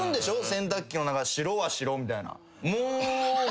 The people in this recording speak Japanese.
洗濯機の中白は白みたいな。